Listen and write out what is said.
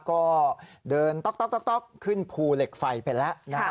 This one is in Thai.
ก็เดินต๊อกต๊อกต๊อกต๊อกขึ้นภูเหล็กไฟไปแล้วนะฮะ